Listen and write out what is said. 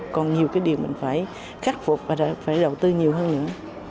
còn nhiều cái điều mình phải khắc phục và phải đầu tư nhiều hơn nữa